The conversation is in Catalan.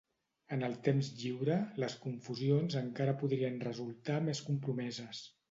En el temps lliure, les confusions encara podrien resultar més compromeses.